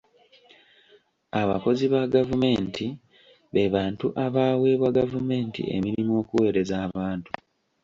Abakozi ba gavumenti be bantu abaaweebwa gavumenti emirimu okuweereza abantu.